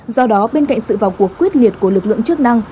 do đó bên cạnh sự vào cuộc quyết liệt của lực lượng chức năng